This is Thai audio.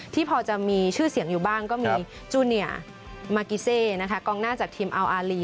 ที่พอจะมีชื่อเสียงอยู่บ้างก็มีจูเนียมากิเซนะคะกองหน้าจากทีมอัลอารี